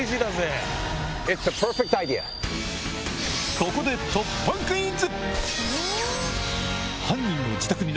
ここで突破クイズ！